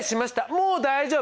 もう大丈夫！